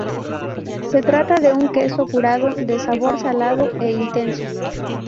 Se trata de un queso curado, de sabor salado e intenso.